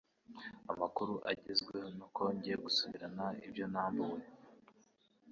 Amakuru Agezweho nuko ngiye gusubirana ibyo nambuwe